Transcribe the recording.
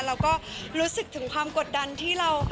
เราก็รู้สึกถึงความกดดันที่เรา